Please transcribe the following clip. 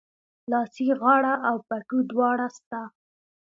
لاسي غاړه او پټو دواړه سته